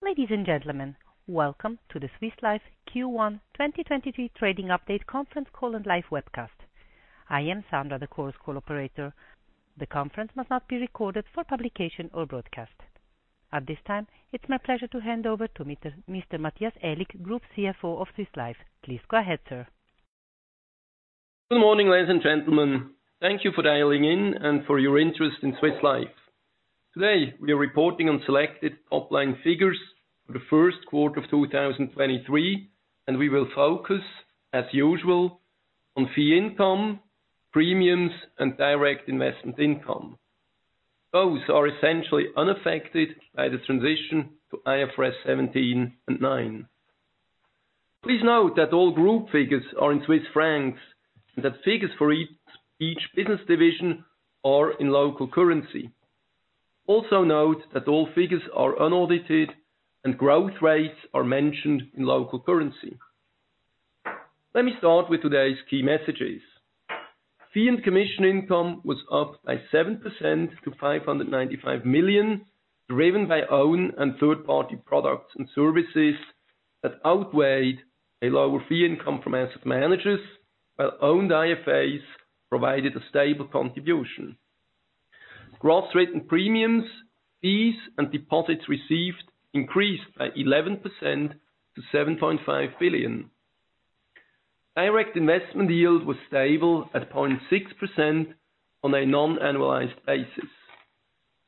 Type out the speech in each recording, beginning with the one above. Ladies and gentlemen, welcome to the Swiss Life Q1 2023 Trading Update conference call and live webcast. I am Sandra, the conference call operator. The conference must not be recorded for publication or broadcast. At this time, it's my pleasure to hand over to Mr. Matthias Aellig, Group CFO of Swiss Life. Please go ahead, sir. Good morning, ladies and gentlemen. Thank you for dialing in and for your interest in Swiss Life. Today, we are reporting on selected top-line figures for the first quarter of 2023. We will focus, as usual, on fee income, premiums, and direct investment income. Those are essentially unaffected by the transition to IFRS 17 and IFRS 9. Please note that all group figures are in Swiss francs and that figures for each business division are in local currency. Note that all figures are unaudited and growth rates are mentioned in local currency. Let me start with today's key messages. Fee and commission income was up by 7% to 595 million, driven by owned and third-party products and services that outweighed a lower fee income from Asset Managers, while owned IFAs provided a stable contribution. Gross written premiums, fees, and deposits received increased by 11% to 7.5 billion. Direct investment yield was stable at 0.6% on a non-annualized basis.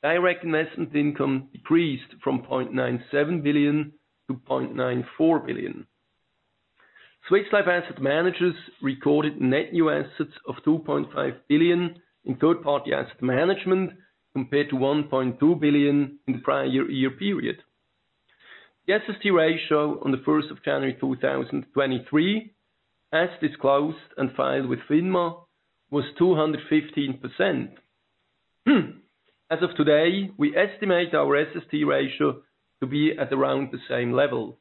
Direct investment income decreased from 0.97 billion-0.94 billion. Swiss Life Asset Managers recorded net new assets of 2.5 billion in third-party asset management compared to 1.2 billion in the prior year period. The SST ratio on the 1st of January 2023, as disclosed and filed with FINMA, was 215%. As of today, we estimate our SST ratio to be at around the same level.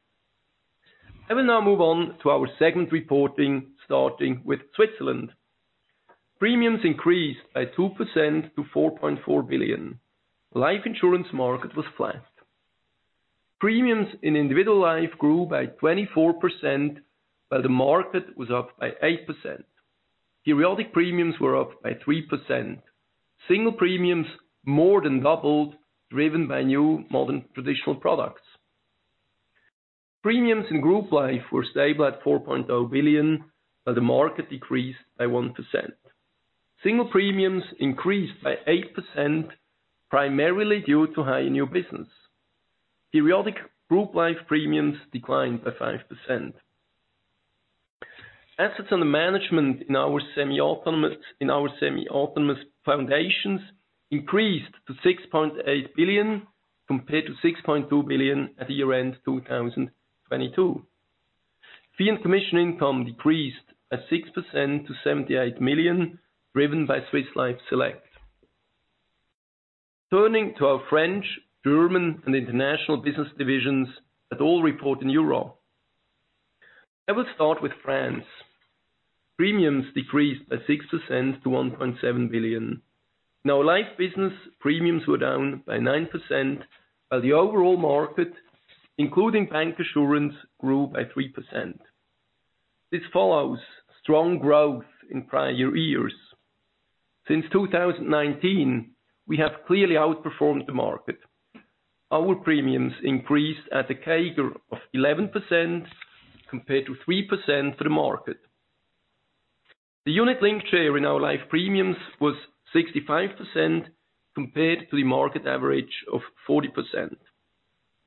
I will now move on to our segment reporting, starting with Switzerland. Premiums increased by 2% to 4.4 billion. Life insurance market was flat. Premiums in individual life grew by 24% while the market was up by 8%. Periodic premiums were up by 3%. Single premiums more than doubled, driven by new modern traditional products. Premiums in group life were stable at 4.0 billion while the market decreased by 1%. Single premiums increased by 8%, primarily due to high new business. Periodic group life premiums declined by 5%. Assets under management in our semi-autonomous foundations increased to 6.8 billion compared to 6.2 billion at year-end 2022. Fee and commission income decreased at 6% to 78 million, driven by Swiss Life Select. Turning to our French, German, and international business divisions that all report in euro. I will start with France. Premiums decreased by 6% to 1.7 billion. Life business premiums were down by 9% while the overall market, including bancassurance, grew by 3%. This follows strong growth in prior years. Since 2019, we have clearly outperformed the market. Our premiums increased at a CAGR of 11% compared to 3% for the market. The unit link share in our life premiums was 65% compared to the market average of 40%.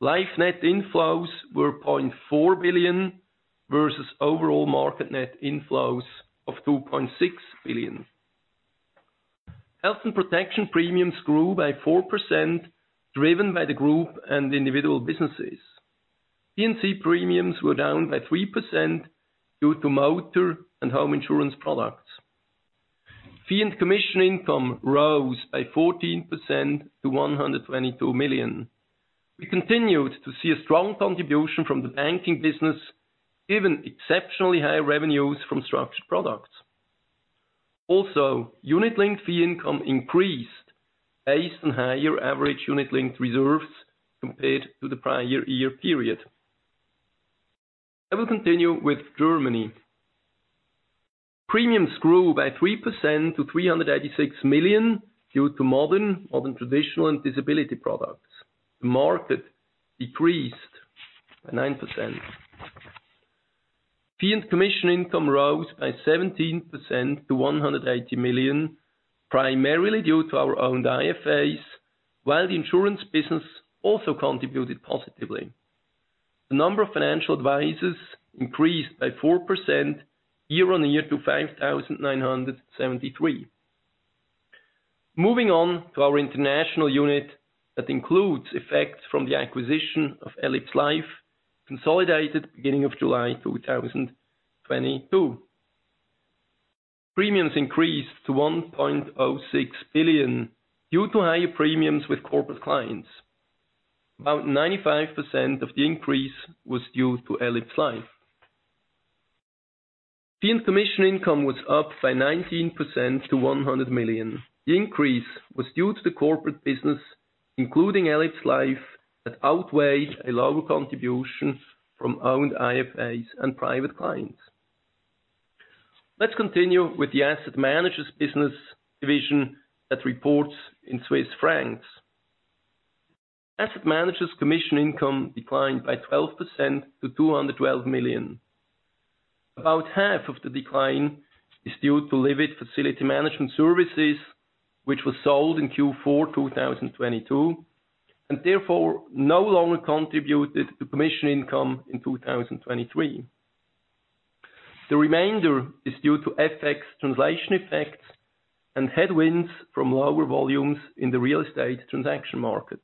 Life net inflows were 0.4 billion versus overall market net inflows of 2.6 billion. Health and protection premiums grew by 4% driven by the group and individual businesses. P&C premiums were down by 3% due to motor and home insurance products. Fee and commission income rose by 14% to 122 million. We continued to see a strong contribution from the banking business, given exceptionally high revenues from structured products. Also, unit-linked fee income increased based on higher average unit-linked reserves compared to the prior year period. I will continue with Germany. Premiums grew by 3% to 386 million due to modern-traditional and disability products. The market decreased by 9%. Fee and commission income rose by 17% to 180 million, primarily due to our owned IFAs, while the insurance business also contributed positively. The number of financial advisors increased by 4% year on year to 5,973. Moving on to our international unit that includes effects from the acquisition of elipsLife, consolidated beginning of July 2022. Premiums increased to 1.06 billion due to higher premiums with corporate clients. About 95% of the increase was due to elipsLife. Fee and commission income was up by 19% to 100 million. The increase was due to the corporate business, including elipsLife, that outweigh a lower contribution from owned IFAs and private clients. Let's continue with the asset managers business division that reports in Swiss francs. Asset managers commission income declined by 12% to 212 million. About half of the decline is due to Livit Facility Management Services, which was sold in Q4 2022, and therefore no longer contributed to commission income in 2023. The remainder is due to FX translation effects and headwinds from lower volumes in the real estate transaction market.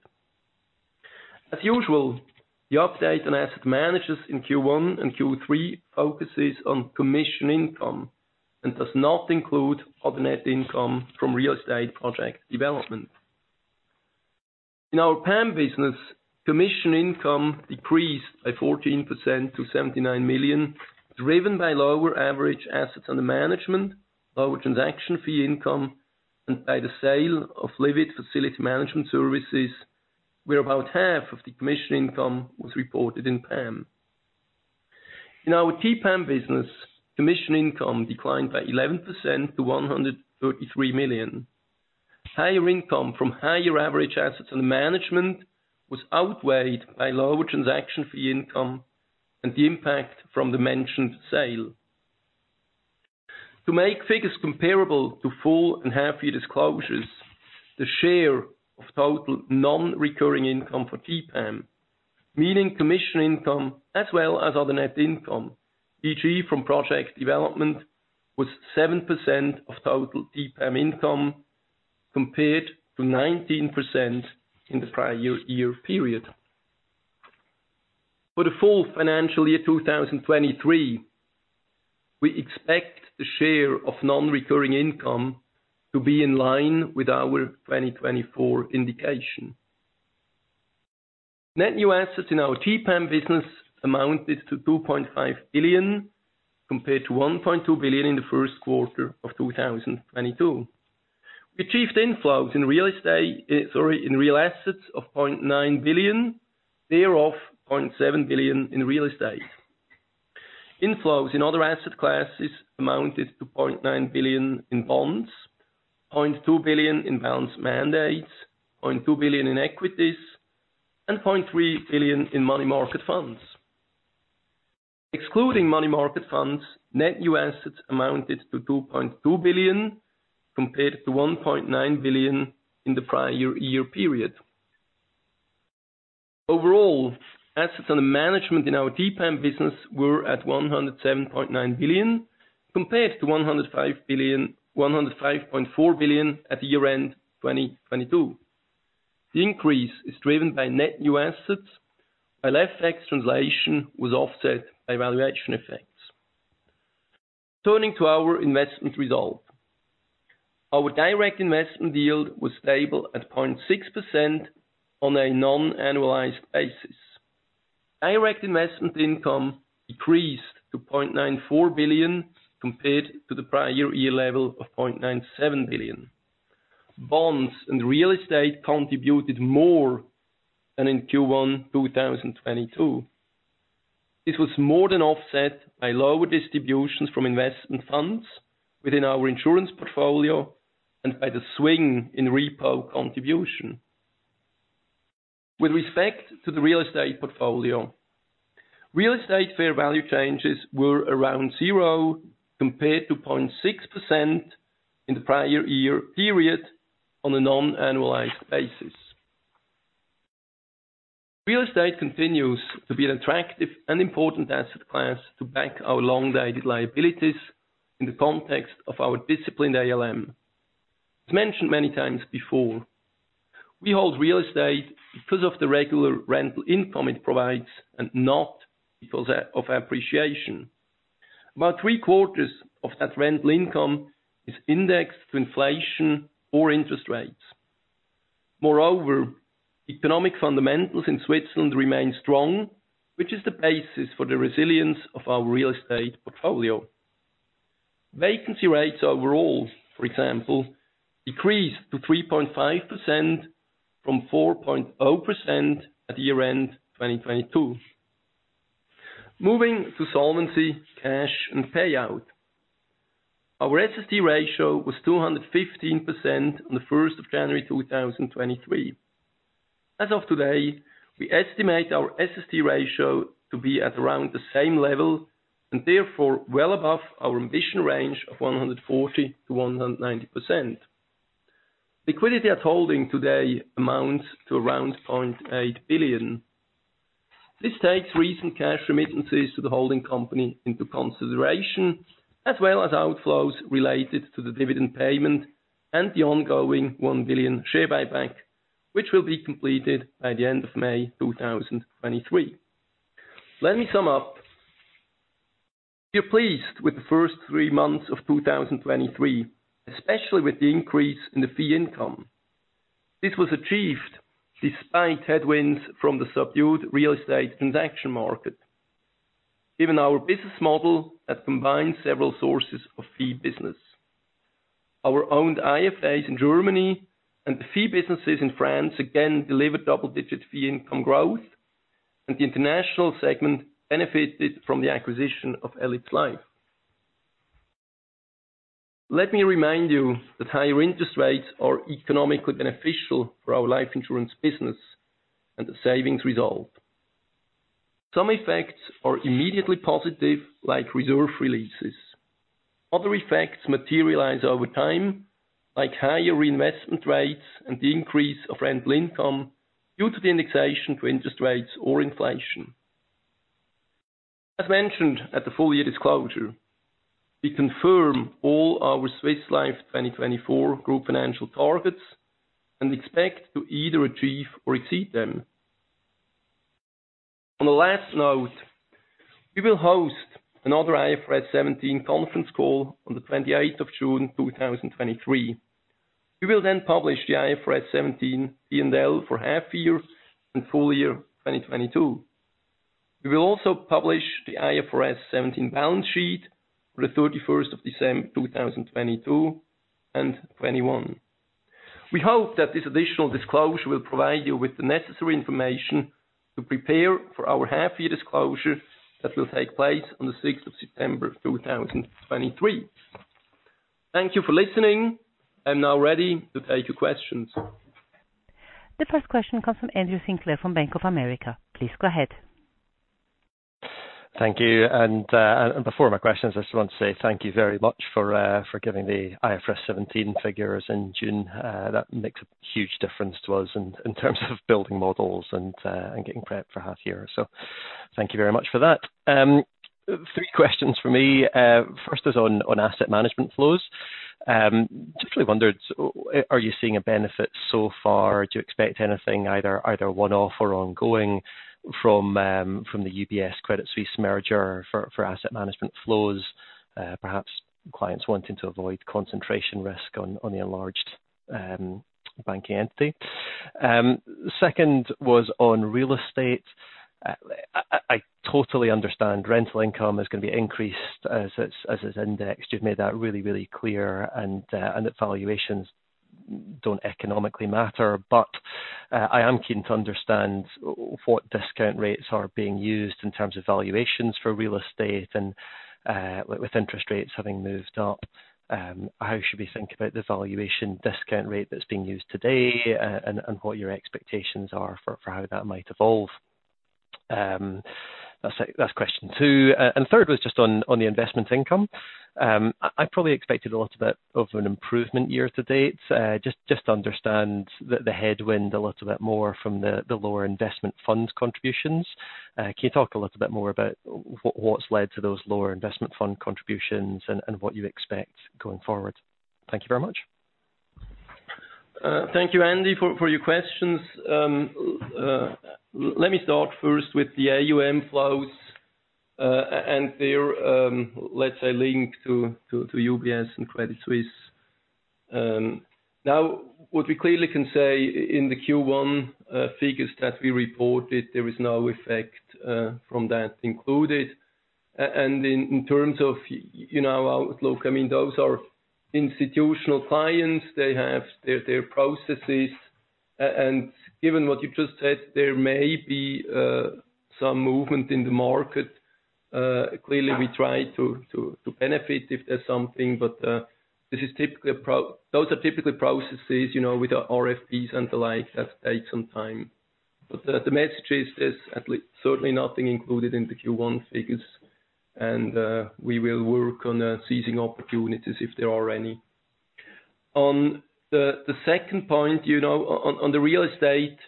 As usual, the update on asset managers in Q1 and Q3 focuses on commission income and does not include other net income from real estate project development. In our PAM business, commission income decreased by 14% to 79 million, driven by lower average assets under management, lower transaction fee income, and by the sale of Livit Facility Management Services, where about half of the commission income was reported in PAM. In our TPAM business, commission income declined by 11% to 133 million. Higher income from higher average assets under management was outweighed by lower transaction fee income and the impact from the mentioned sale. To make figures comparable to full and half-year disclosures, the share of total non-recurring income for TPAM, meaning commission income as well as other net income, e.g. from project development, was 7% of total TPAM income compared to 19% in the prior year period. For the full financial year 2023, we expect the share of non-recurring income to be in line with our 2024 indication. Net new assets in our TPAM business amounted to 2.5 billion, compared to 1.2 billion in the first quarter of 2022. We achieved inflows in real estate, sorry, in real assets of 0.9 billion, thereof 0.7 billion in real estate. Inflows in other asset classes amounted to 0.9 billion in bonds, 0.2 billion in bonds mandates, 0.2 billion in equities, and 0.3 billion in money market funds. Excluding money market funds, net new assets amounted to 2.2 billion, compared to 1.9 billion in the prior year period. Overall, assets under management in our TPAM business were at 107.9 billion, compared to 105.4 billion at the year-end 2022. The increase is driven by net new assets, while FX translation was offset by valuation effects. Turning to our investment result. Our direct investment yield was stable at 0.6% on a non-annualized basis. Direct investment income decreased to 0.94 billion, compared to the prior year level of 0.97 billion. Bonds and real estate contributed more than in Q1 2022. This was more than offset by lower distributions from investment funds within our insurance portfolio and by the swing in repo contribution. With respect to the real estate portfolio, real estate fair value changes were around zero compared to 0.6% in the prior year period on a non-annualized basis. Real estate continues to be an attractive and important asset class to bank our long-dated liabilities in the context of our disciplined ALM. As mentioned many times before, we hold real estate because of the regular rental income it provides and not because of appreciation. About three-quarters of that rental income is indexed to inflation or interest rates. Economic fundamentals in Switzerland remain strong, which is the basis for the resilience of our real estate portfolio. Vacancy rates overall, for example, decreased to 3.5% from 4.0% at year-end 2022. Moving to solvency, cash, and payout. Our SST ratio was 215% on the 1st of January, 2023. As of today, we estimate our SST ratio to be at around the same level and therefore well above our ambition range of 140%-190%. Liquidity at holding today amounts to around 0.8 billion. This takes recent cash remittances to the holding company into consideration, as well as outflows related to the dividend payment and the ongoing 1 billion share buyback, which will be completed by the end of May 2023. Let me sum up. We're pleased with the first three months of 2023, especially with the increase in the fee income. This was achieved despite headwinds from the subdued real estate transaction market. Even our business model has combined several sources of fee business. Our owned IFAs in Germany and the fee businesses in France again delivered double-digit fee income growth. The international segment benefited from the acquisition of elipsLife. Let me remind you that higher interest rates are economically beneficial for our life insurance business and the savings result. Some effects are immediately positive, like reserve releases. Other effects materialize over time, like higher investment rates and the increase of rental income due to the indexation to interest rates or inflation. As mentioned at the full year disclosure, we confirm all our Swiss Life 2024 group financial targets and expect to either achieve or exceed them. On the last note, we will host another IFRS 17 conference call on the 28th of June 2023. We will publish the IFRS 17 P&L for half year and full year 2022. We will also publish the IFRS 17 balance sheet for the 31st of December 2022 and 2021. We hope that this additional disclosure will provide you with the necessary information to prepare for our half year disclosure that will take place on the 6th of September 2023. Thank you for listening. I'm now ready to take your questions. The first question comes from Andrew Sinclair from Bank of America. Please go ahead. Thank you. Before my questions, I just want to say thank you very much for giving the IFRS 17 figures in June. That makes a huge difference to us in terms of building models and getting prepped for half year. Thank you very much for that. Three questions from me. First is on asset management flows. Just really wondered, are you seeing a benefit so far? Do you expect anything either one-off or ongoing from the UBS Credit Suisse merger for asset management flows, perhaps clients wanting to avoid concentration risk on the enlarged banking entity? Second was on real estate. I totally understand rental income is going to be increased as is indexed. You've made that really, really clear and that valuations don't economically matter. I am keen to understand what discount rates are being used in terms of valuations for real estate and with interest rates having moved up, how should we think about the valuation discount rate that's being used today and what your expectations are for how that might evolve? That's question two. Third was just on the investment income. I probably expected a little bit of an improvement year-to-date just to understand the headwind a little bit more from the lower investment fund contributions. Can you talk a little bit more about what's led to those lower investment fund contributions and what you expect going forward? Thank you very much. Thank you, Andy, for your questions. Let me start first with the AUM flows and their, let's say, link to UBS and Credit Suisse. What we clearly can say in the Q1 figures that we reported, there is no effect from that included. In terms of, you know, outlook, I mean, those are institutional clients. They have their processes. Given what you just said, there may be some movement in the market. Clearly we try to benefit if there's something, but those are typically processes, you know, with RFPs and the like that take some time. The message is there's certainly nothing included in the Q1 figures and we will work on seizing opportunities if there are any. On the second point, you know, on the real estate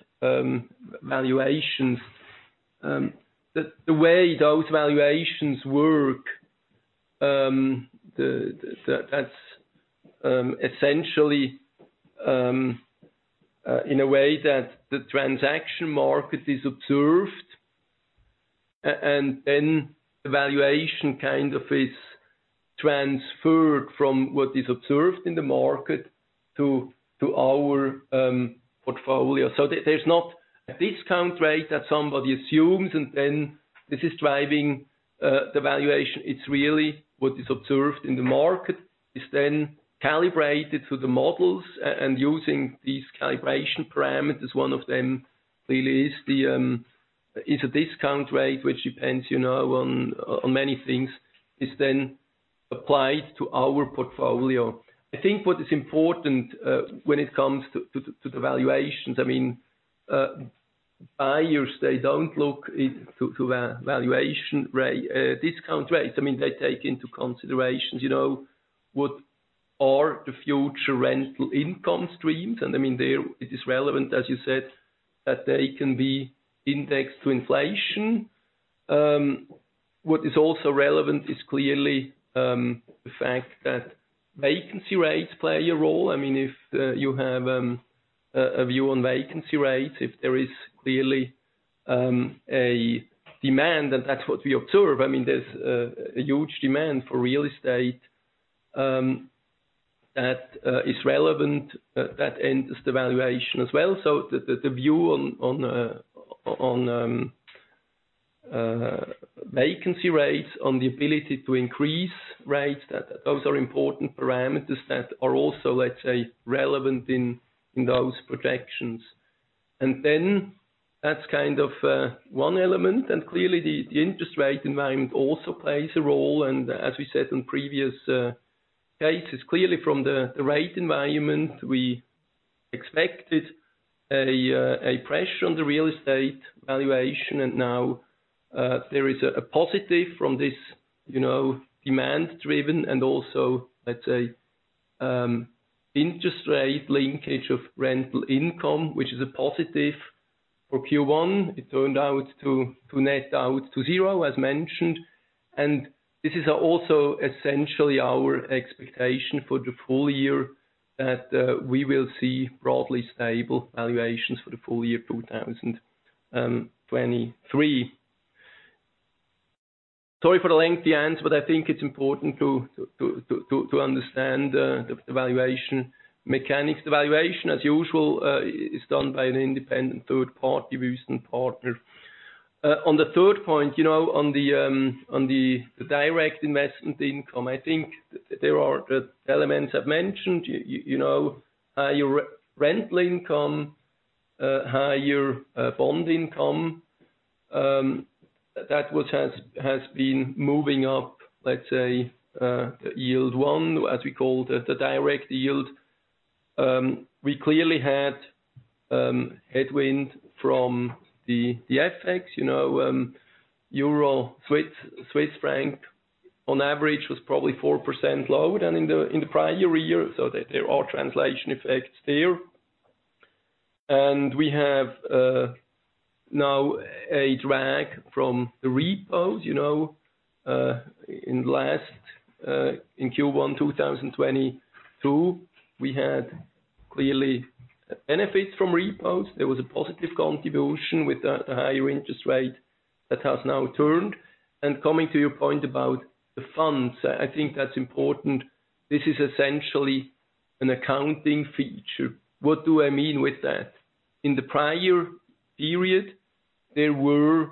valuations, the way those valuations work, that's essentially in a way that the transaction market is observed and then the valuation kind of is transferred from what is observed in the market to our portfolio. There's not a discount rate that somebody assumes and then this is driving the valuation. It's really what is observed in the market. It's then calibrated to the models and using these calibration parameters. One of them really is the is a discount rate which depends, you know, on many things. It's then applied to our portfolio. I think what is important, when it comes to the valuations, I mean, buyers, they don't look to a valuation discount rates. I mean, they take into considerations, you know, what are the future rental income streams. I mean, there it is relevant, as you said, that they can be indexed to inflation. What is also relevant is clearly the fact that vacancy rates play a role. I mean, if you have a view on vacancy rates, if there is clearly a demand, and that's what we observe. I mean, there's a huge demand for real estate. That is relevant, that ends the valuation as well. The view on vacancy rates, on the ability to increase rates, that those are important parameters that are also, let's say, relevant in those projections. That's kind of one element, clearly the interest rate environment also plays a role. As we said in previous cases, clearly from the rate environment, we expected a pressure on the real estate valuation. Now, there is a positive from this, you know, demand driven and also, let's say, interest rate linkage of rental income, which is a positive for Q1. It turned out to net out to zero as mentioned. This is also essentially our expectation for the full year that we will see broadly stable valuations for the full year, 2023. Sorry for the lengthy answer, I think it's important to understand the valuation mechanics. The valuation as usual is done by an independent third party Wüest Partner. On the third point, you know, on the direct investment income, I think there are elements I've mentioned. You know, your re-rental income, higher bond income, that which has been moving up, let's say, Yield 1, as we call the direct yield. We clearly had headwind from the FX, you know. Euro/Swiss franc on average was probably 4% lower than in the prior year. There are translation effects there. We have now a drag from the repos. You know, in last, in Q1 2022, we had clearly benefits from repos. There was a positive contribution with the higher interest rate that has now turned. Coming to your point about the funds, I think that's important. This is essentially an accounting feature. What do I mean with that? In the prior period, there were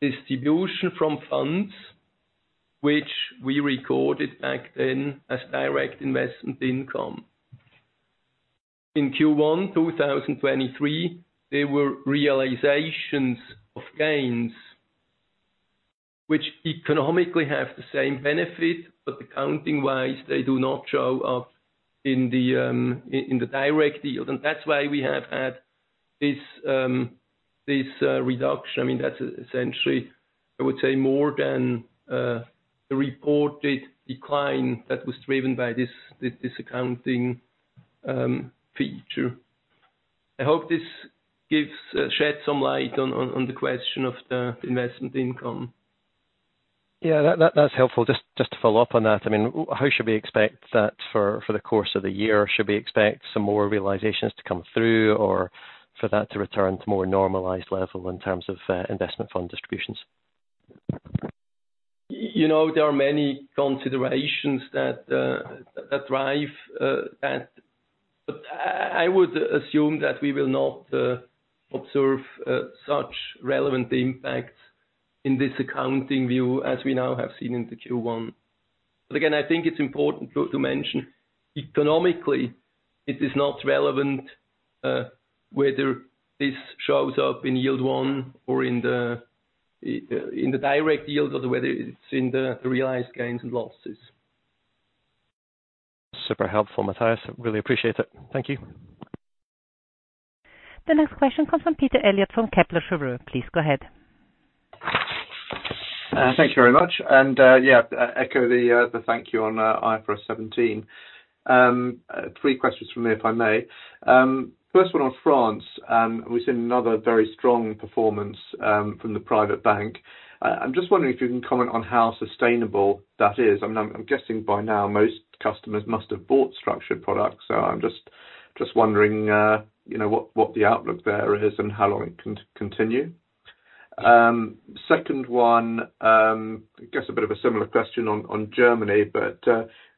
distribution from funds which we recorded back then as direct investment income. In Q1 2023, there were realizations of gains which economically have the same benefit, but accounting-wise, they do not show up in the direct yield. That's why we have had this reduction. I mean, that's essentially I would say more than the reported decline that was driven by this accounting feature. I hope this sheds some light on the question of the investment income. Yeah. That's helpful. Just to follow up on that, I mean, how should we expect that for the course of the year? Should we expect some more realizations to come through or for that to return to more normalized level in terms of investment fund distributions? You know, there are many considerations that drive. I would assume that we will not observe such relevant impacts in this accounting view as we now have seen in the Q1. Again, I think it's important to mention economically it is not relevant whether this shows up in Yield 1 or in the direct yield or whether it's in the realized gains and losses. Super helpful, Matthias. Really appreciate it. Thank you. The next question comes from Peter Eliot from Kepler Cheuvreux. Please go ahead. Thank you very much. Yeah, echo the thank you on IFRS 17. Three questions from me, if I may. First one on France, we've seen another very strong performance from the private bank. I'm just wondering if you can comment on how sustainable that is. I'm guessing by now most customers must have bought structured products. I'm just wondering, you know, what the outlook there is and how long it can continue. Second one, I guess a bit of a similar question on Germany,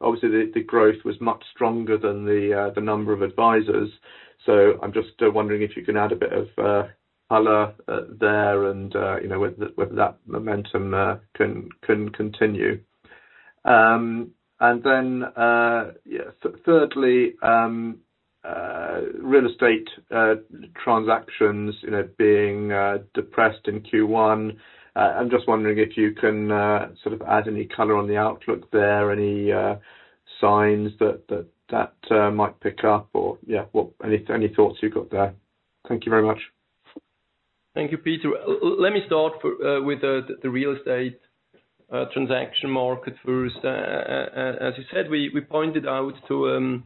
obviously the growth was much stronger than the number of advisors. I'm just wondering if you can add a bit of color there and, you know, whether that momentum can continue. Thirdly, real estate transactions, you know, being depressed in Q1. I'm just wondering if you can sort of add any color on the outlook there, any signs that might pick up or any thoughts you've got there. Thank you very much. Thank you, Peter. Let me start with the real estate transaction market first. As you said, we pointed out to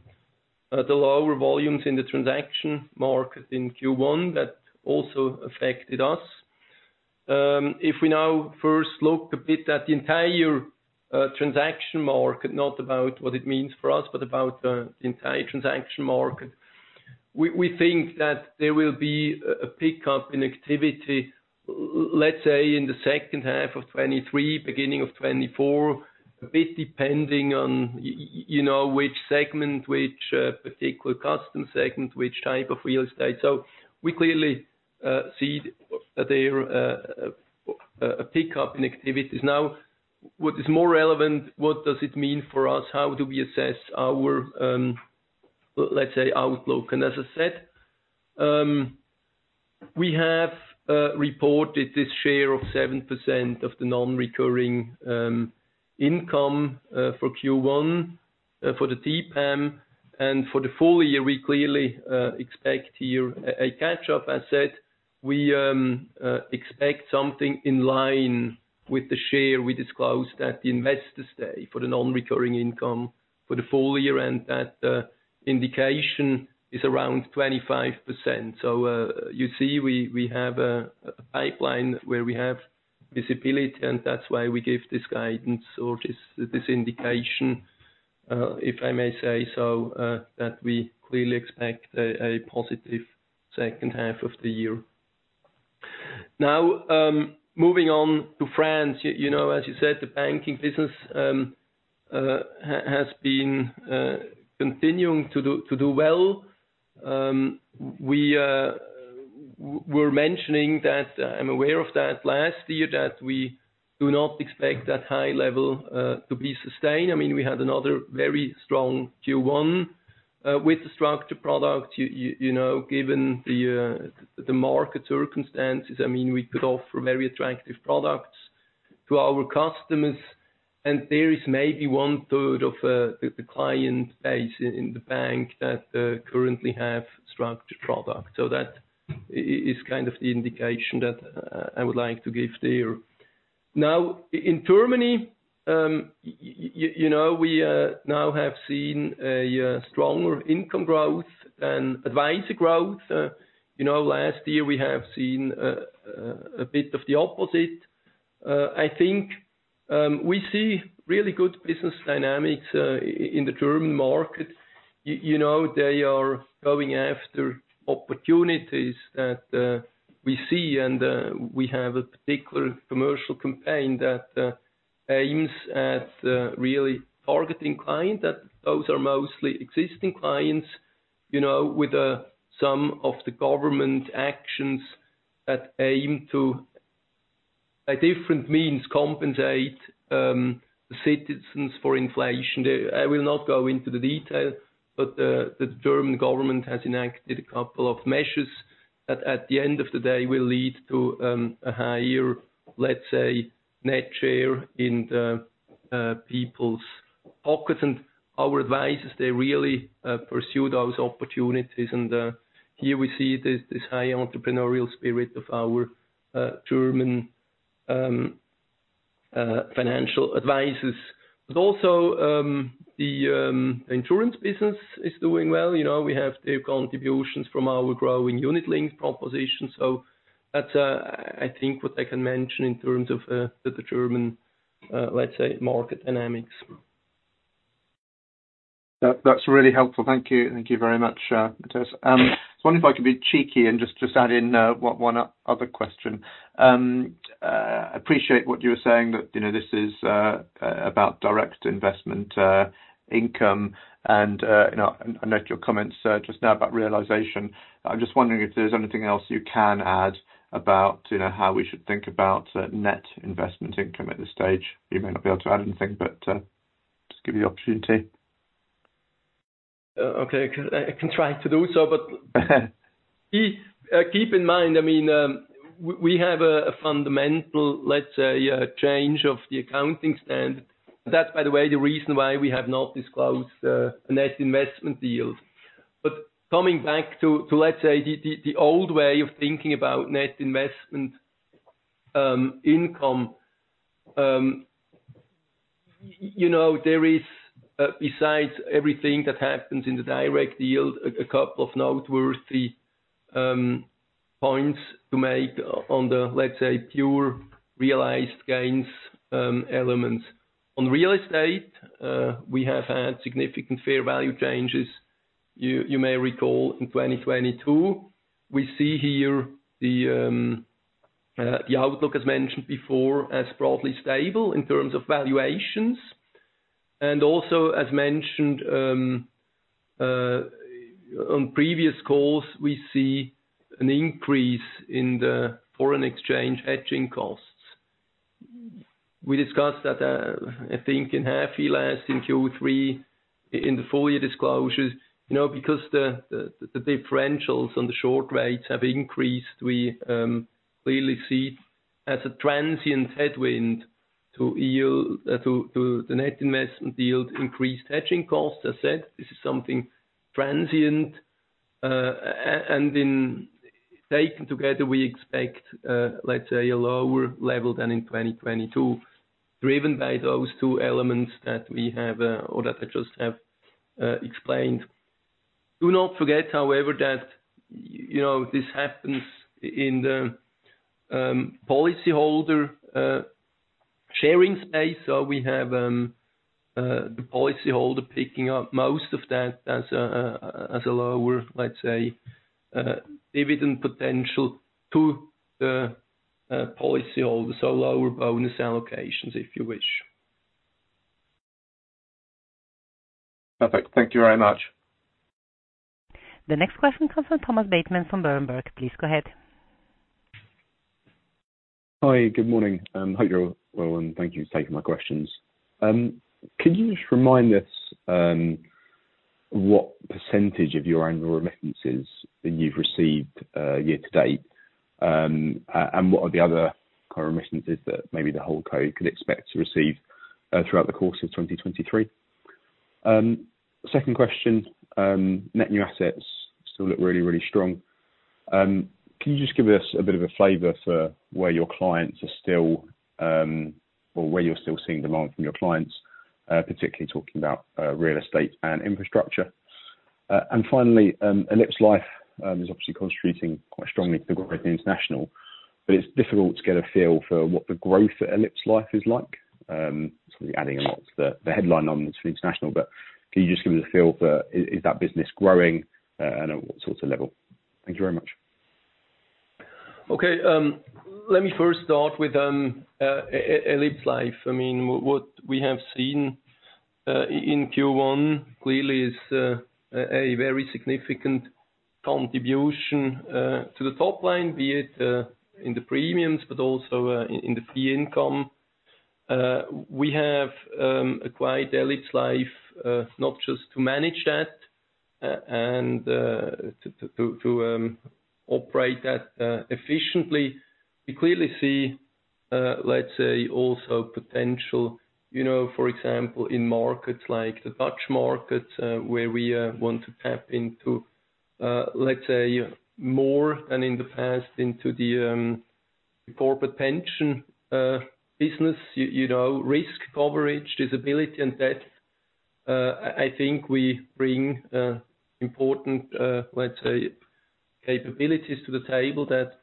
the lower volumes in the transaction market in Q1 that also affected us. If we now first look a bit at the entire transaction market, not about what it means for us, but about the entire transaction market. We think that there will be a pickup in activity, let's say, in the second half of 2023, beginning of 2024. A bit depending on, you know, which segment, which particular custom segment, which type of real estate. We clearly see there a pickup in activities. Now, what is more relevant, what does it mean for us? How do we assess our let's say, outlook? As I said, we have reported this share of 7% of the non-recurring income for Q1 for the TPAM. For the full year, we clearly expect here a catch-up. I said we expect something in line with the share we disclosed at the investors day for the non-recurring income for the full year. That indication is around 25%. You see, we have a pipeline where we have visibility, and that's why we give this guidance or this indication, if I may say so, that we clearly expect a positive second half of the year. Now, moving on to France, you know, as you said, the banking business has been continuing to do well. We're mentioning that I'm aware of that last year, that we do not expect that high level to be sustained. I mean, we had another very strong Q1 with the structured product. You know, given the market circumstances, I mean, we put off very attractive products to our customers, and there is maybe one-third of the client base in the bank that currently have structured products. That is kind of the indication that I would like to give there. In Germany, you know, we now have seen a stronger income growth and advisor growth. You know, last year we have seen a bit of the opposite. I think, we see really good business dynamics in the German market. You know, they are going after opportunities that we see, and we have a particular commercial campaign that aims at really targeting clients, that those are mostly existing clients, you know, with some of the government actions that aim to, by different means, compensate citizens for inflation. I will not go into the detail, but the German government has enacted a couple of measures that at the end of the day will lead to a higher, let's say, net share in the people's pockets. Our advisors, they really pursue those opportunities. Here we see this high entrepreneurial spirit of our German financial advisors. Also, the insurance business is doing well. You know, we have their contributions from our growing unit-linked proposition. That's, I think what I can mention in terms of the German, let's say, market dynamics. That's really helpful. Thank you. Thank you very much, Matthias. I wonder if I could be cheeky and just add in one other question. Appreciate what you were saying, that, you know, this is about direct investment income. You know, I noted your comments just now about realization. I'm just wondering if there's anything else you can add about, you know, how we should think about net investment income at this stage. You may not be able to add anything, but just give you the opportunity. Okay. I can try to do so. Keep in mind, I mean, we have a fundamental, let's say, change of the accounting standard. That's, by the way, the reason why we have not disclosed a net investment deal. Coming back to, let's say, the old way of thinking about net investment income, you know, there is besides everything that happens in the direct yield, a couple of noteworthy points to make on the, let's say, pure realized gains elements. On real estate, we have had significant fair value changes. You may recall in 2022, we see here the outlook, as mentioned before, as broadly stable in terms of valuations. Also, as mentioned, on previous calls, we see an increase in the foreign exchange hedging costs. We discussed that, I think in half year, last in Q3, in the full year disclosures. You know, because the differentials on the short rates have increased, we clearly see as a transient headwind to the net investment yield increased hedging costs. I said this is something transient and in taken together, we expect, let's say, a lower level than in 2022, driven by those two elements that we have, or that I just have, explained. Do not forget, however, that You know, this happens in the policyholder, sharing space. We have the policy holder picking up most of that as a lower, let's say, dividend potential to the policy holders, so lower bonus allocations, if you wish. Perfect. Thank you very much. The next question comes from Thomas Bateman from Berenberg. Please go ahead. Hi, good morning. Hope you're well, and thank you for taking my questions. Could you just remind us what percentage of your annual remittances that you've received year to date? What are the other current remittances that maybe the whole co can expect to receive throughout the course of 2023? Second question, Net New Assets still look really strong. Can you just give us a bit of a flavor for where your clients are still, or where you're still seeing demand from your clients, particularly talking about real estate and infrastructure. Finally, elipsLife is obviously contributing quite strongly to the growth in international, but it's difficult to get a feel for what the growth at elipsLife is like. Sort of adding a lot to the headline on international, but can you just give me the feel for is that business growing and at what sorts of level? Thank you very much. Okay. Let me first start with elipsLife. I mean, what we have seen in Q1 clearly is a very significant contribution to the top line, be it in the premiums, but also in the fee income. We have acquired elipsLife, not just to manage that, and to operate that efficiently. We clearly see, let's say also potential, you know, for example, in markets like the Dutch markets, where we want to tap into, let's say more than in the past into the corporate pension business, you know, risk coverage, disability and debt. I think we bring important, let's say, capabilities to the table that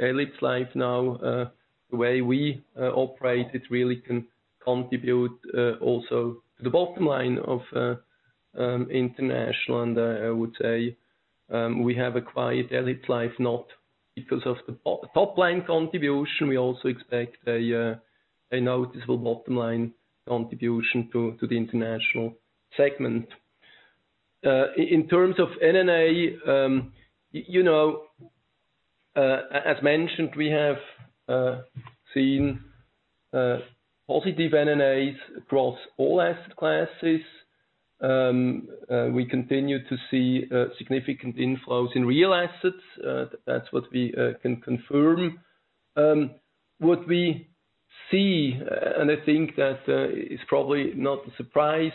elipsLife now, the way we operate, it really can contribute also to the bottom line of international. I would say, we have acquired elipsLife, not because of the topline contribution. We also expect a noticeable bottom line contribution to the international segment. In terms of NNA, you know, as mentioned, we have seen positive NNAs across all asset classes. We continue to see significant inflows in real assets. That's what we can confirm. What we see, and I think that is probably not a surprise,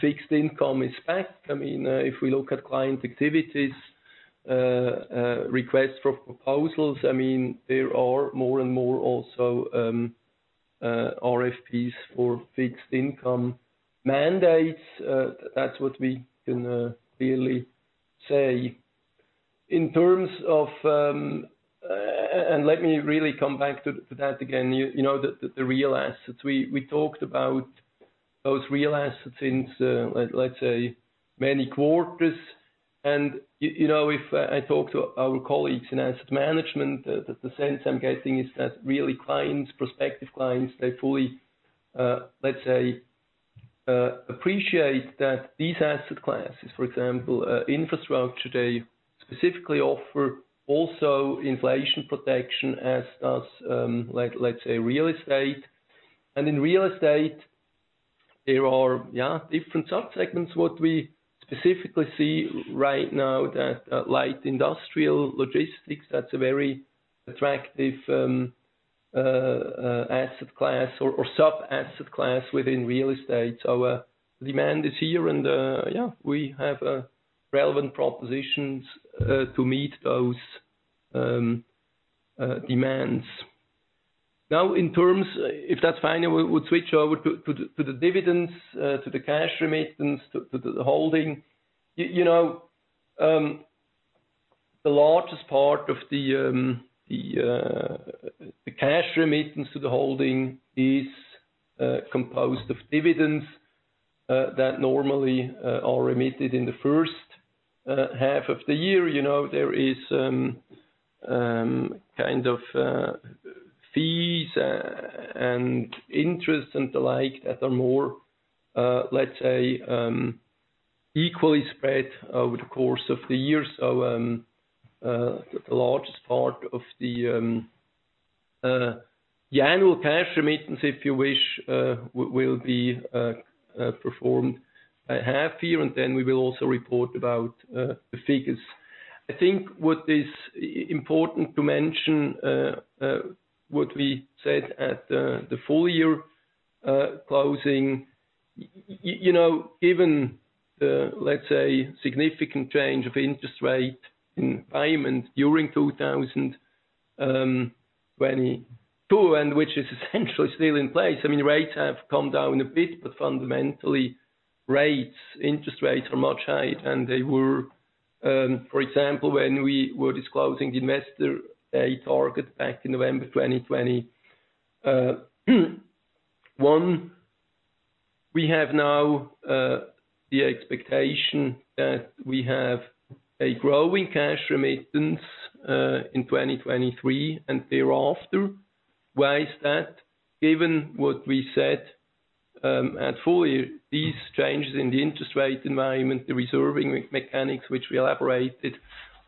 fixed income is back. I mean, if we look at client activities, requests for proposals, I mean, there are more and more also RFPs for fixed income mandates. That's what we can clearly say. In terms of, and let me really come back to that again, you know, the real assets. We talked about those real assets since let's say many quarters. You know, if I talk to our colleagues in asset management, the sense I'm getting is that really clients, prospective clients, they fully let's say appreciate that these asset classes, for example, infrastructure today specifically offer also inflation protection, as does let's say real estate. In real estate, there are, yeah, different subsegments. What we specifically see right now that light industrial logistics, that's a very attractive asset class or sub-asset class within real estate. Our demand is here, we have relevant propositions to meet those demands. If that's fine, we'll switch over to the dividends, to the cash remittance, to the holding. You know, the largest part of the cash remittance to the holding is composed of dividends that normally are remitted in the first half of the year. You know, there is kind of fees and interest and the like that are more, let's say, equally spread over the course of the year. The largest part of the annual cash remittance, if you wish, will be performed half year, and then we will also report about the figures. I think what is important to mention, what we said at the full year closing, you know, given the, let's say, significant change of interest rate environment during 2022, and which is essentially still in place. I mean, rates have come down a bit, but fundamentally rates, interest rates are much higher than they were, for example, when we were disclosing the investor, a target back in November 2021, we have now the expectation that we have a growing cash remittance in 2023 and thereafter. Why is that? Given what we said, at full year, these changes in the interest rate environment, the reserving mechanics which we elaborated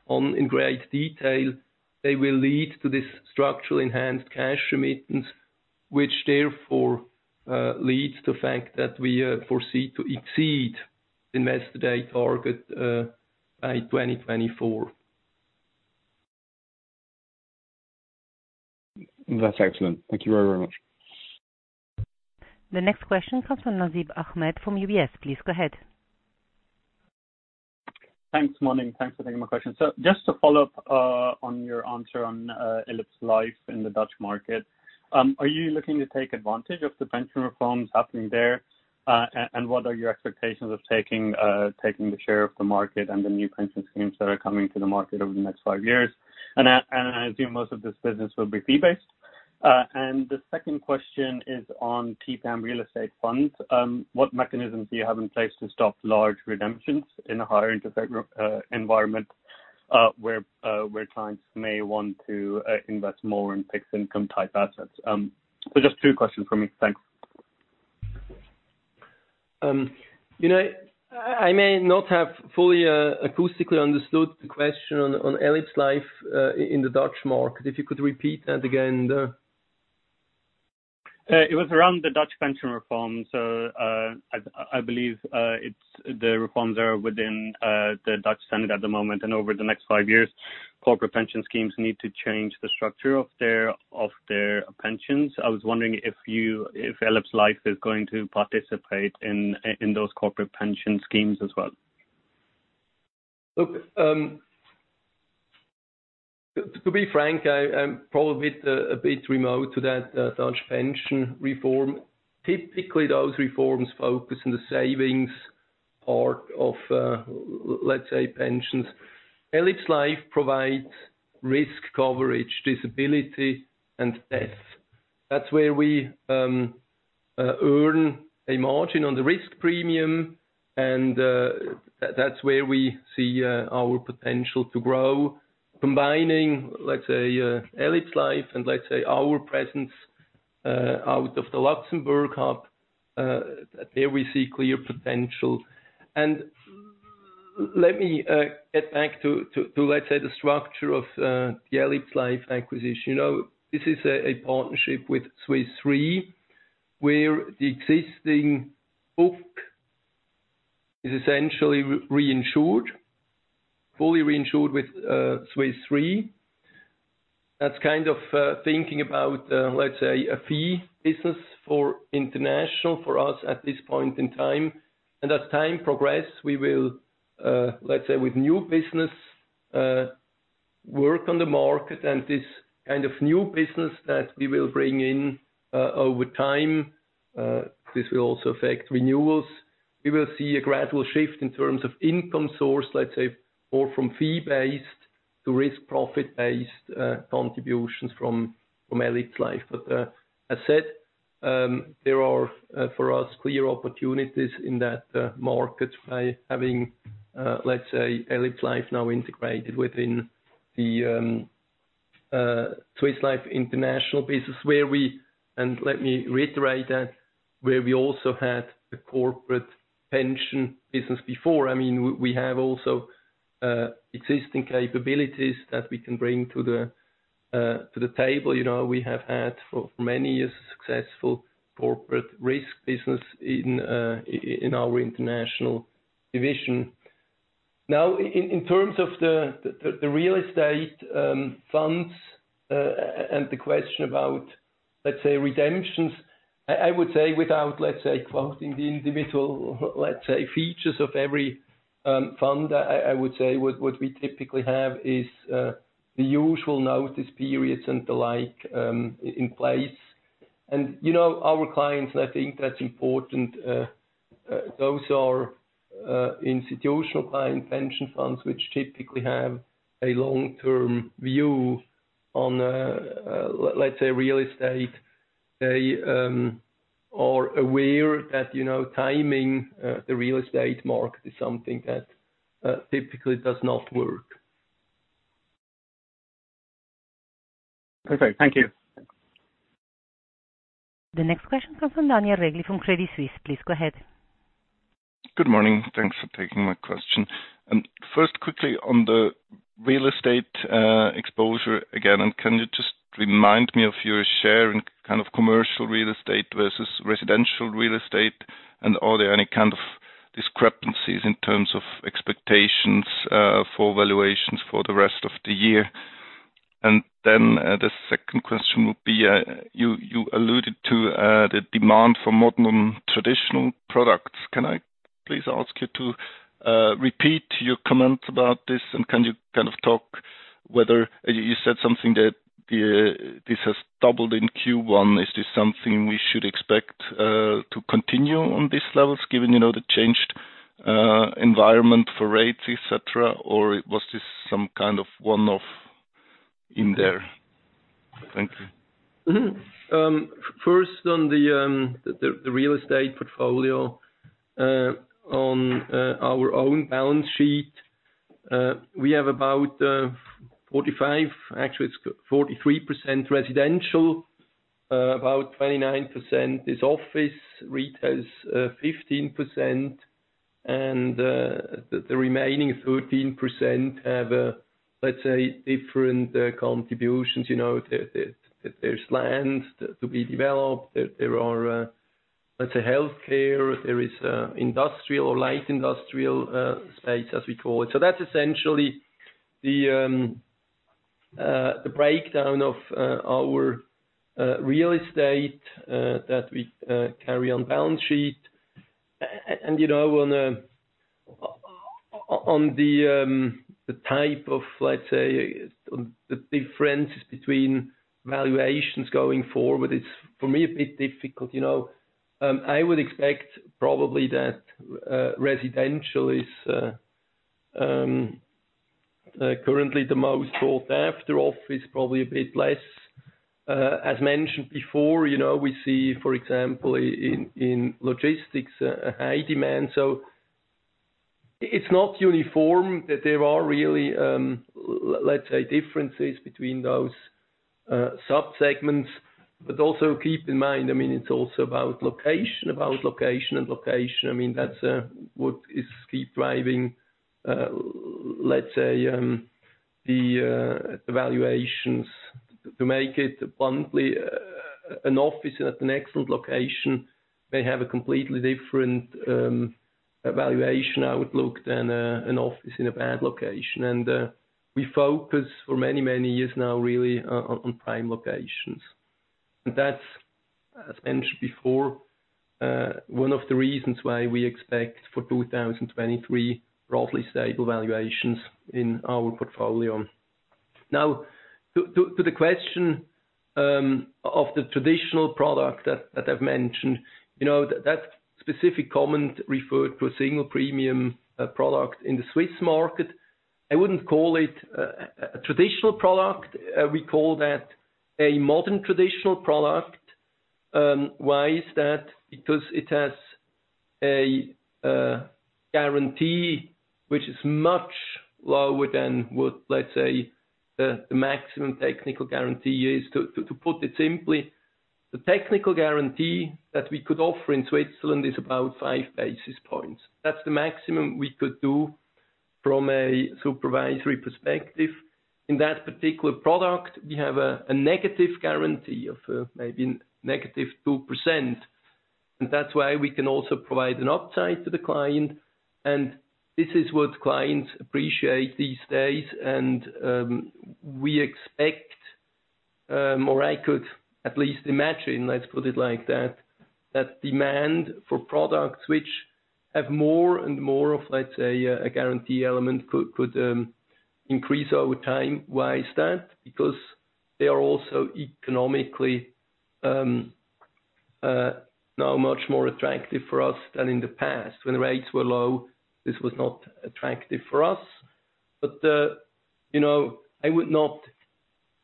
on in great detail, they will lead to this structural enhanced cash remittance. Therefore, leads to the fact that we, foresee to exceed investor date target, by 2024. That's excellent. Thank you very, very much. The next question comes from Nasib Ahmed from UBS. Please go ahead. Thanks. Morning. Thanks for taking my question. Just to follow up on your answer on elipsLife in the Dutch market, are you looking to take advantage of the pension reforms happening there? And what are your expectations of taking the share of the market and the new pension schemes that are coming to the market over the next five years? I assume most of this business will be fee-based. The second question is on TPAM real estate funds. What mechanisms do you have in place to stop large redemptions in a higher interest rate environment where clients may want to invest more in fixed income type assets? Just two questions from me. Thanks. You know, I may not have fully acoustically understood the question on elipsLife in the Dutch market. If you could repeat that again. It was around the Dutch pension reform. I believe the reforms are within the Dutch Senate at the moment, and over the next five years, corporate pension schemes need to change the structure of their pensions. I was wondering if elipsLife is going to participate in those corporate pension schemes as well? Look, to be frank, I'm probably a bit remote to that Dutch pension reform. Typically, those reforms focus on the savings part of, let's say, pensions. elipsLife provides risk coverage, disability and death. That's where we earn a margin on the risk premium and that's where we see our potential to grow. Combining, let's say, elipsLife and, let's say, our presence out of the Luxembourg hub, there we see clear potential. Let me get back to, let's say, the structure of the elipsLife acquisition. You know, this is a partnership with Swiss Re, where the existing book is essentially reinsured, fully reinsured with Swiss Re. That's kind of thinking about, let's say, a fee business for international for us at this point in time. As time progress, we will with new business work on the market and this kind of new business that we will bring in over time, this will also affect renewals. We will see a gradual shift in terms of income source, or from fee based to risk profit based contributions from elipsLife. As said, there are for us clear opportunities in that market by having elipsLife now integrated within the Swiss Life international business, And let me reiterate that, where we also had the corporate pension business before. I mean, we have also existing capabilities that we can bring to the table. You know, we have had for many years successful corporate risk business in our international division. Now in terms of the real estate funds, and the question about, let's say, redemptions, I would say without, let's say, quoting the individual, let's say, features of every fund, I would say what we typically have is the usual notice periods and the like in place. You know, our clients, and I think that's important, those are institutional client pension funds, which typically have a long-term view on, let's say real estate. They are aware that, you know, timing the real estate market is something that typically does not work. Perfect. Thank you. The next question comes from Daniel Regli from Credit Suisse. Please go ahead. Good morning. Thanks for taking my question. First, quickly on the real estate exposure again, can you just remind me of your share in kind of commercial real estate versus residential real estate? Are there any kind of discrepancies in terms of expectations for valuations for the rest of the year? The second question would be, you alluded to the demand for modern-traditional products. Please ask you to repeat your comments about this, can you kind of talk You said something that this has doubled in Q1. Is this something we should expect to continue on these levels given, you know, the changed environment for rates, et cetera? Was this some kind of one-off in there? Thank you. First on the real estate portfolio. On our own balance sheet, we have about 45%, actually it's 43% residential, about 29% is office, retail is 15%, the remaining 13% have let's say different contributions. You know, there's lands to be developed. There are let's say healthcare. There is industrial or light industrial space, as we call it. That's essentially the breakdown of our real estate that we carry on balance sheet. You know, on the type of, let's say, the differences between valuations going forward, it's for me a bit difficult, you know? I would expect probably that residential is currently the most sought after. Office probably a bit less. As mentioned before, you know, we see, for example in logistics, a high demand. It's not uniform, that there are really let's say differences between those sub-segments. Also keep in mind, I mean, it's also about location, about location and location. I mean, that's what is keep driving, let's say, the valuations. To make it bluntly, an office at an excellent location may have a completely different valuation outlook than an office in a bad location. We focus for many, many years now really on prime locations. That's, as mentioned before, one of the reasons why we expect for 2023, roughly stable valuations in our portfolio. To the question of the traditional product that I've mentioned. You know, that specific comment referred to a single premium product in the Swiss market. I wouldn't call it a traditional product. We call that a Modern Traditional Product. Why is that? Because it has a guarantee which is much lower than what, let's say, the maximum technical guarantee is. To put it simply, the technical guarantee that we could offer in Switzerland is about 5 basis points. That's the maximum we could do from a supervisory perspective. In that particular product, we have a negative guarantee of maybe negative 2%, and that's why we can also provide an upside to the client. This is what clients appreciate these days. We expect, or I could at least imagine, let's put it like that demand for products which have more and more of, let's say, a guarantee element could increase over time. Why is that? They are also economically now much more attractive for us than in the past. When the rates were low, this was not attractive for us. You know, I would not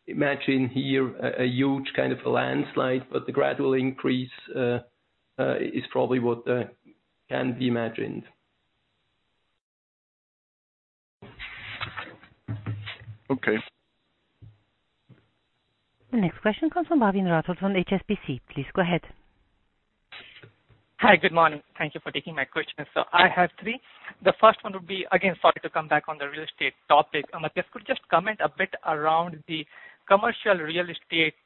imagine here a huge kind of landslide, but the gradual increase is probably what can be imagined. Okay. The next question comes from Bhavin Rathod from HSBC. Please go ahead. Hi. Good morning. Thank you for taking my questions. I have three. The first one would be, again, sorry to come back on the real estate topic. Could you just comment a bit around the commercial real estate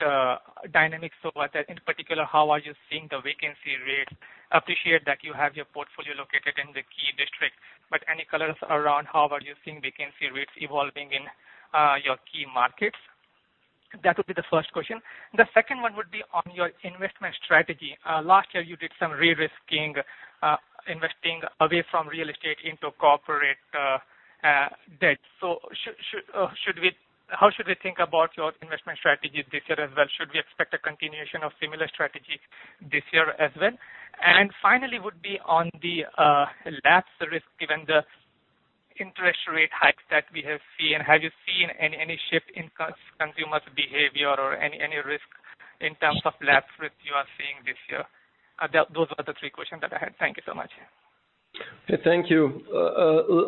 dynamics so far. In particular, how are you seeing the vacancy rates? Appreciate that you have your portfolio located in the key district, but any colors around how are you seeing vacancy rates evolving in your key markets? That would be the first question. The second one would be on your investment strategy. Last year you did some de-risking, investing away from real estate into corporate debt. How should we think about your investment strategy this year as well? Should we expect a continuation of similar strategies this year as well? Finally, would be on the lapse risk given the interest rate hikes that we have seen. Have you seen any shift in consumer's behavior or any risk in terms of lapse risk you are seeing this year? Those are the three questions that I had. Thank you so much. Thank you.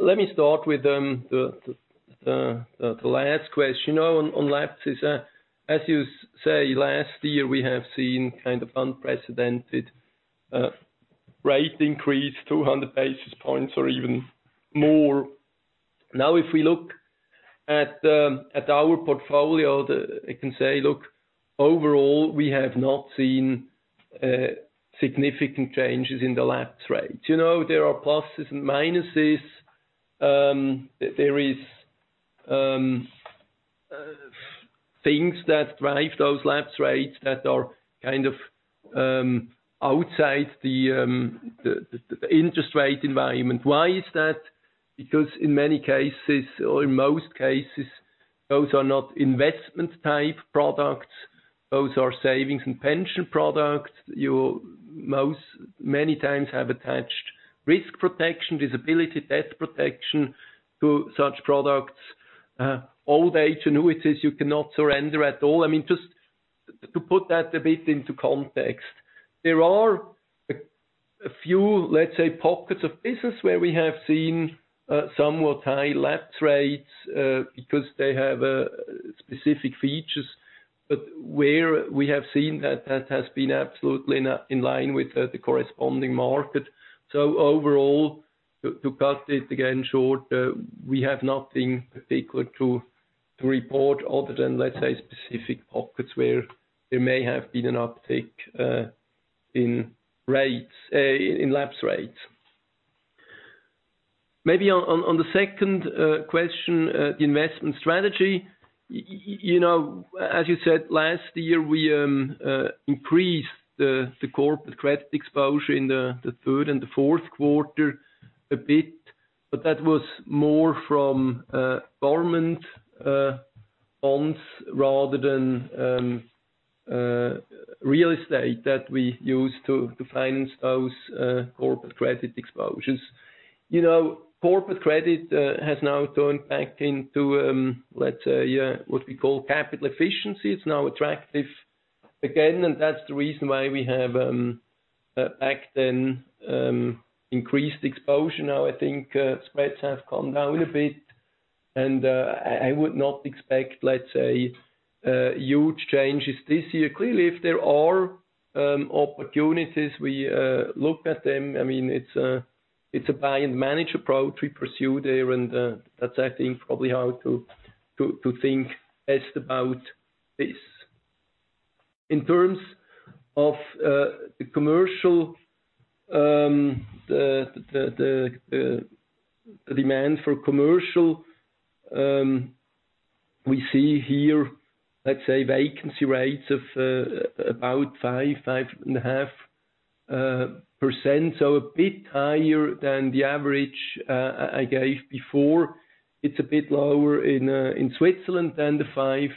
Let me start with the last question. You know, on lapse is, as you say, last year, we have seen kind of unprecedented rate increase, 200 basis points or even more. If we look at our portfolio, I can say, look, overall, we have not seen significant changes in the lapse rates. You know, there are pluses and minuses. There are things that drive those lapse rates that are kind of outside the interest rate environment. Why is that? In many cases, or in most cases, those are not investment type products. Those are savings and pension products. You many times have attached risk protection, disability, debt protection to such products. Old age annuities you cannot surrender at all. I mean, just to put that a bit into context, there are a few, let's say, pockets of business where we have seen somewhat high lapse rates because they have specific features. Where we have seen that has been absolutely not in line with the corresponding market. Overall, to cut it again short, we have nothing particular to report other than, let's say, specific pockets where there may have been an uptick in rates in lapse rates. Maybe on the second question, the investment strategy. You know, as you said, last year, we increased the corporate credit exposure in the third and the fourth quarter a bit. That was more from government bonds rather than real estate that we used to finance those corporate credit exposures. You know, corporate credit has now turned back into, let's say, what we call capital efficiency. It's now attractive again, and that's the reason why we have back then increased exposure. I think spreads have come down a bit. I would not expect huge changes this year. Clearly, if there are opportunities, we look at them. I mean, it's a buy and manage approach we pursue there. That's, I think, probably how to think best about this. In terms of the commercial, the demand for commercial, we see here vacancy rates of about 5.5%, so a bit higher than the average I gave before. It's a bit lower in Switzerland than the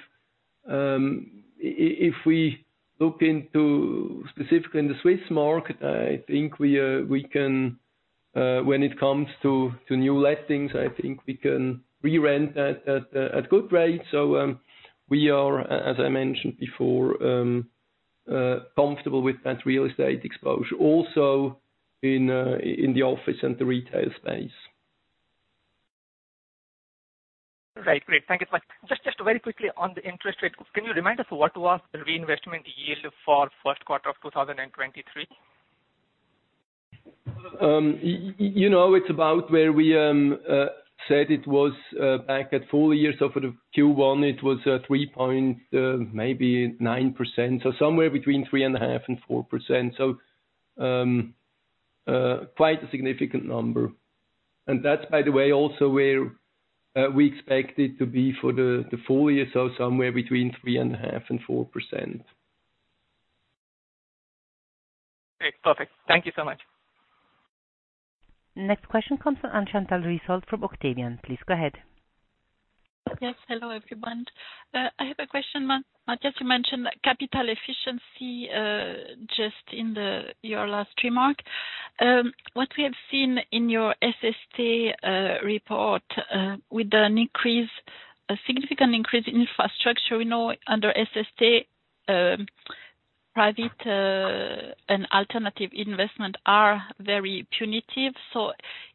5%. If we look into specifically in the Swiss market, I think we can, when it comes to new lettings, I think we can re-rent at good rates. We are, as I mentioned before, comfortable with that real estate exposure, also in the office and the retail space. Right. Great. Thank you so much. Just very quickly on the interest rate. Can you remind us what was the reinvestment yield for first quarter of 2023? you know, it's about where we said it was back at full year. For the Q1, it was 3.9%, so somewhere between 3.5% and 4%. Quite a significant number. That's, by the way, also where we expect it to be for the full year, so somewhere between 3.5% and 4%. Great. Perfect. Thank you so much. Next question comes from Anne-Chantal Risold from Octavian. Please go ahead. Yes. Hello, everyone. I have a question, Mark. Mark, you mentioned capital efficiency just in your last remark. What we have seen in your SST report with an increase, a significant increase in infrastructure, we know under SST, private and alternative investment are very punitive.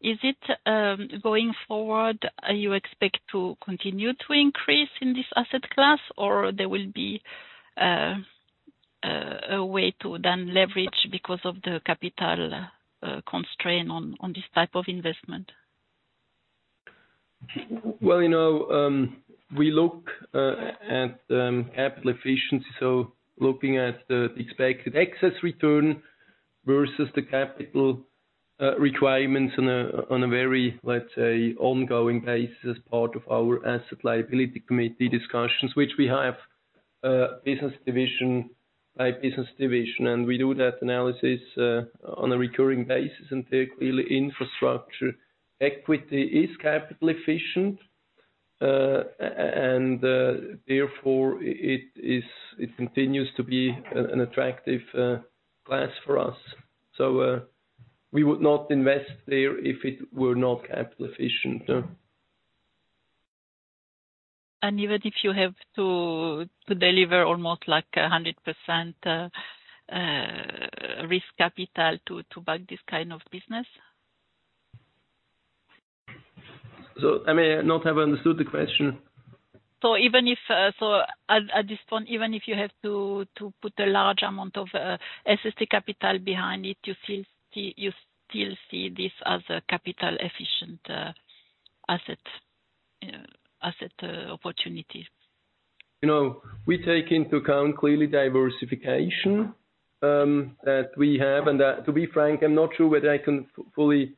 Is it going forward, you expect to continue to increase in this asset class, or there will be a way to then leverage because of the capital constraint on this type of investment? Well, you know, we look at capital efficiency, so looking at the expected excess return versus the capital requirements on a very, let's say, ongoing basis, part of our asset liability committee discussions, which we have business division by business division. We do that analysis on a recurring basis. Clearly, infrastructure equity is capital efficient. and therefore, it continues to be an attractive class for us. We would not invest there if it were not capital efficient. Even if you have to deliver almost like 100%, risk capital to back this kind of business? I may not have understood the question. Even if, at this point, even if you have to put a large amount of SST capital behind it, you still see this as a capital efficient asset opportunity. You know, we take into account clearly diversification that we have. To be frank, I'm not sure whether I can fully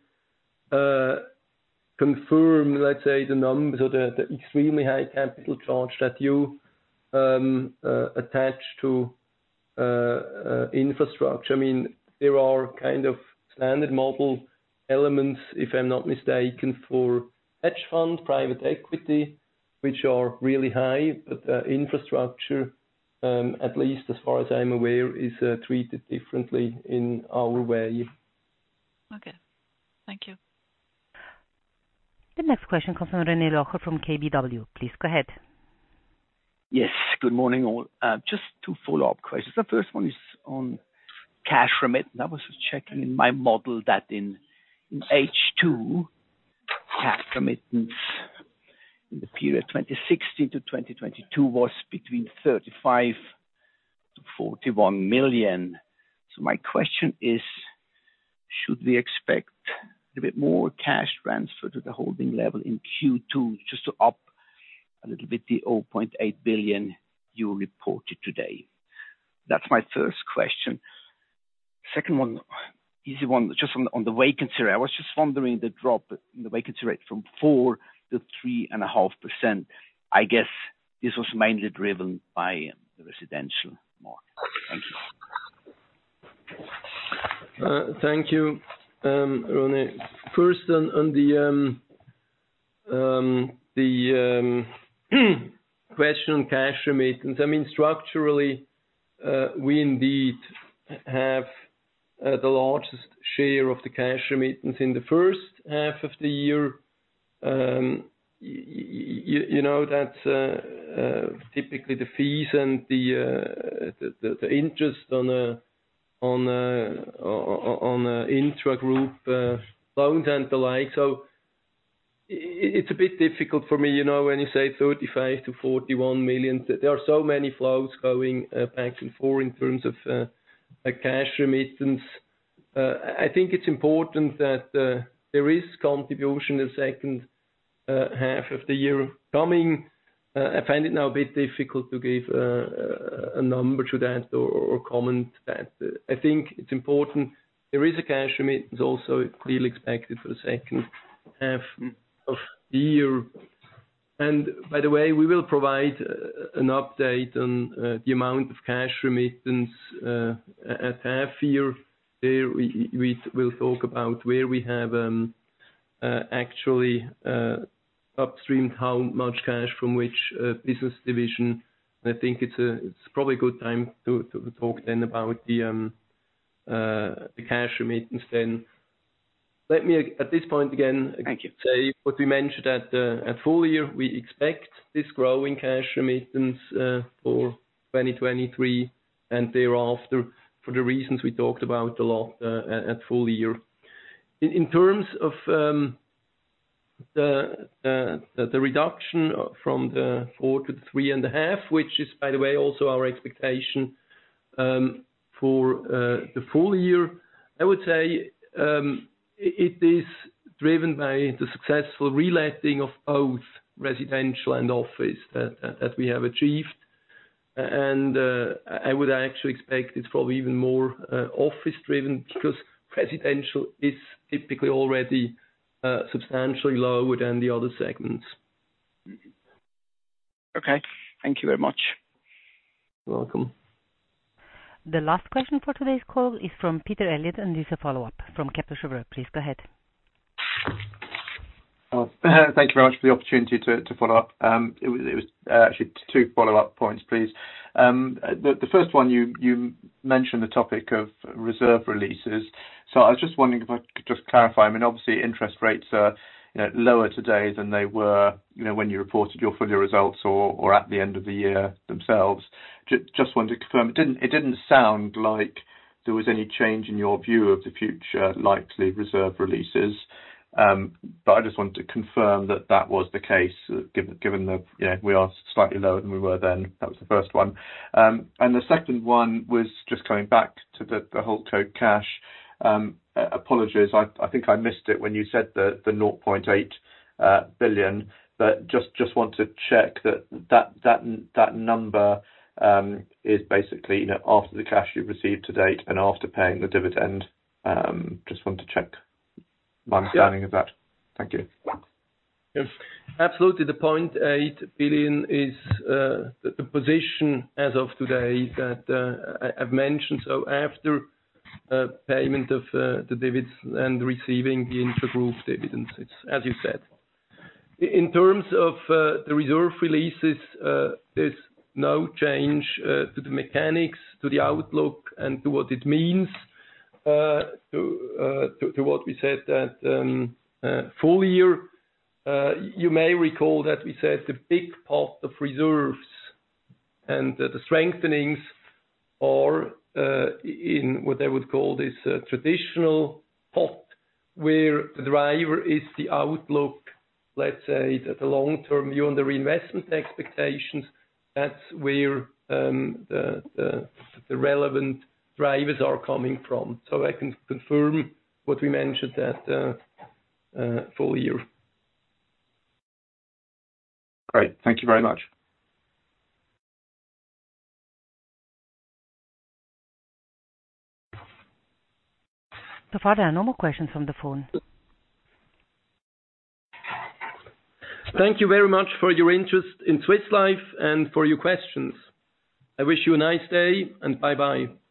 confirm, let's say, the numbers or the extremely high capital charge that you attach to infrastructure. I mean, there are kind of standard model elements, if I'm not mistaken, for hedge fund, private equity, which are really high. Infrastructure, at least as far as I'm aware, is treated differently in our way. Okay. Thank you. The next question comes from René Locher from KBW. Please go ahead. Good morning all. Just two follow-up questions. The first one is on cash remittance. I was just checking in my model that in H2, cash remittance in the period 2016 to 2022 was between 35 million-41 million. My question is, should we expect a bit more cash transfer to the holding level in Q2 just to up a little bit the 0.8 billion you reported today? That's my first question. Second one, easy one. Just on the vacancy rate. I was just wondering, the drop in the vacancy rate from 4%-3.5%. I guess this was mainly driven by the residential market. Thank you. Thank you, René. First on the question on cash remittance. I mean, structurally, we indeed have the largest share of the cash remittance in the first half of the year. You know, that's typically the fees and the interest on an intragroup loans and the like. It's a bit difficult for me, you know, when you say 35 million-41 million. There are so many flows going back and forth in terms of a cash remittance. I think it's important that there is contribution the second half of the year coming. I find it now a bit difficult to give a number to that or comment that. I think it's important there is a cash remittance also clearly expected for the second half of the year. By the way, we will provide an update on the amount of cash remittance at half year. There we will talk about where we have actually upstreamed how much cash from which business division. I think it's a, it's probably a good time to talk then about the cash remittance then. Let me at this point again. Thank you. say what we mentioned at full year. We expect this growing cash remittance for 2023 and thereafter, for the reasons we talked about a lot at full year. In terms of the reduction from the 4 to the 3.5, which is, by the way, also our expectation for the full year. I would say it is driven by the successful reletting of both residential and office that we have achieved. I would actually expect it's probably even more office driven because residential is typically already substantially lower than the other segments. Okay. Thank you very much. You're welcome. The last question for today's call is from Peter Eliot, and it's a follow-up from Kepler Cheuvreux. Please go ahead. Oh, thank you very much for the opportunity to follow up. It was actually two follow-up points, please. The first one, you mentioned the topic of reserve releases. I was just wondering if I could just clarify. I mean, obviously interest rates are, you know, lower today than they were, you know, when you reported your full year results or at the end of the year themselves. Just wanted to confirm. It didn't sound like there was any change in your view of the future likely reserve releases. I just wanted to confirm that that was the case given that, you know, we are slightly lower than we were then. That was the first one. The second one was just coming back to the whole-life cash. apologies, I think I missed it when you said the 0.8 billion. Just want to check that number is basically, you know, after the cash you've received to date and after paying the dividend. Just wanted to check my understanding of that. Yeah. Thank you. Yes. Absolutely. The 0.8 billion is the position as of today that I've mentioned. After payment of the dividends and receiving the intragroup dividends, it's as you said. In terms of the reserve releases, there's no change to the mechanics, to the outlook, and to what it means to what we said at full year. You may recall that we said the big part of reserves and the strengthenings are in what I would call this traditional pot, where the driver is the outlook, let's say, the long-term view on the reinvestment expectations. That's where the relevant drivers are coming from. I can confirm what we mentioned at full year. Great. Thank you very much. So far there are no more questions on the phone. Thank you very much for your interest in Swiss Life and for your questions. I wish you a nice day, and bye-bye.